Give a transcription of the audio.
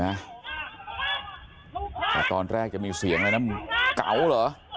เห็นไหมแต่ตอนแรกจะมีเสียงแล้วนะมึงเก๋าหรอ